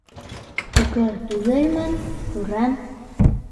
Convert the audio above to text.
Һуҡыр түгелмен, күрәм!